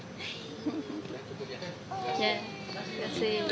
ya terima kasih